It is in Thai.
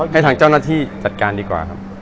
ให้ทางเจ้าหน้าที่จัดการดีกว่าครับ